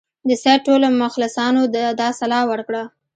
د سید ټولو مخلصانو دا سلا ورکړه.